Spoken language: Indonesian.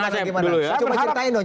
saya pernah ceritain dong